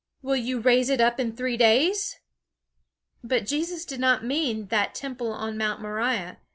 Will you raise it up in three days?" But Jesus did not mean that Temple on Mount Moriah.